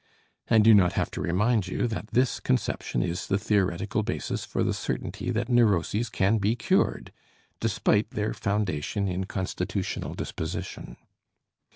I do not have to remind you that this conception is the theoretical basis for the certainty that neuroses can be cured, despite their foundation in constitutional disposition.